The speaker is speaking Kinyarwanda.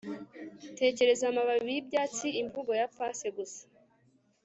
tekereza amababi y'ibyatsi imvugo ya passe gusa